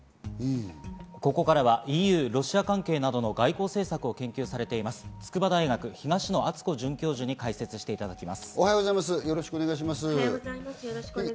ここからはＥＵ、ロシア関係などの外交政策を研究されています、筑波大学・東野篤子准教授に解説していただきよろしくお願いします。